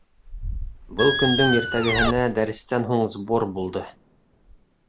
Был көндөң иртәгеһенә дәрестән һуң сбор булды.